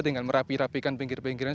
tinggal merapi rapikan pinggir pinggirnya